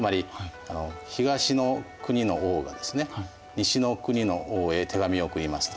西の国の王へ手紙を送りますと。